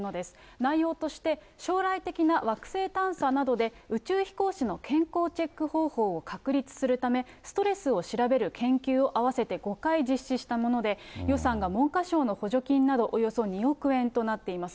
内容として、将来的な惑星探査などで宇宙飛行士の健康チェック方法を確立するため、ストレスを調べる研究を合わせて５回実施したもので、予算が文科省の補助金などおよそ２億円となっています。